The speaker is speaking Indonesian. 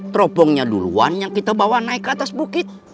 teropongnya duluan yang kita bawa naik ke atas bukit